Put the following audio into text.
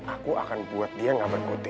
aku akan buat dia gak berkote